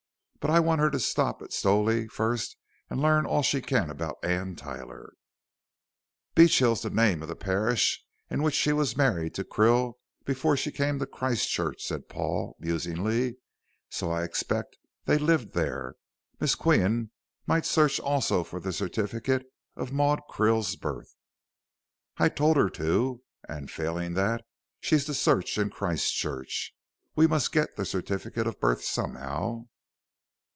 But I want her to stop at Stowley first and learn all she can about Anne Tyler." "Beechill's the name of the parish in which she was married to Krill before she came to Christchurch," said Paul, musingly, "so I expect they lived there. Miss Qian might search also for the certificate of Maud Krill's birth." "I told her to, and, failing that, she's to search in Christchurch. We must get the certificate of birth somehow."